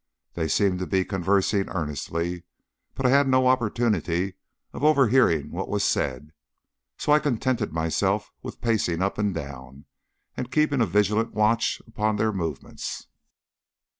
They seemed to be conversing earnestly, but I had no opportunity of overhearing what was said; so I contented myself with pacing up and down, and keeping a vigilant watch upon their movements.